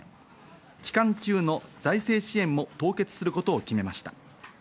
期間中の財政支援も凍結することを決めました。